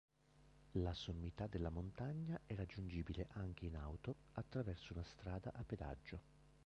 La sommità della montagna è raggiungibile anche in auto attraverso una strada a pedaggio.